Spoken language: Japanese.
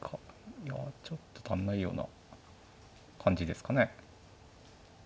いやちょっと足んないような感じですかね。